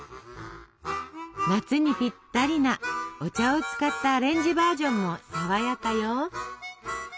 夏にぴったりなお茶を使ったアレンジバージョンも爽やかよ！